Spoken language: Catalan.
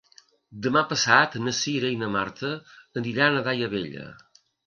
Demà passat na Cira i na Marta aniran a Daia Vella.